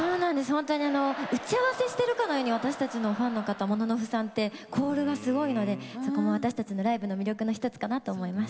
本当に打ち合わせしてるかのように私たちのファンの方モノノフさんってコールがすごいのでそこも私たちのライブの魅力の一つかなと思います。